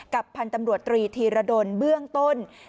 พันธุ์ตำรวจตรีธีรดลเบื้องต้น